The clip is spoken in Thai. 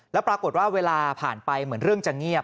แล้วปรากฏว่าเวลาผ่านไปเหมือนเรื่องจะเงียบ